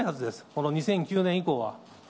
この２００９年以降は。